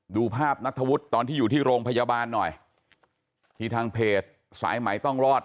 ดูภาพนัทธวุฒิตอนที่อยู่ที่โรงพยาบาลหน่อยที่ทางเพจสายใหม่ต้องรอด